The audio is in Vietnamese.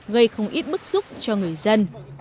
gây không ít bức xúc cho người dân